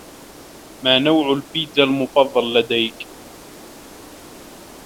ما نوع البيتزا المفضّل لديك؟